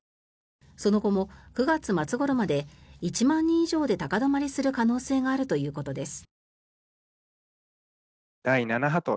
その後も９月末ごろまで１万人以上で高止まりする可能性があるということです。